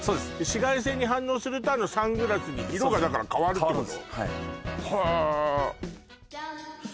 紫外線に反応するとあのサングラスに色がだから変わるってこと？